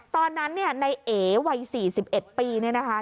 ตอนนั้นเนี่ยในเอวัยสี่สิบเอ็ดปีเนี่ยนะคะ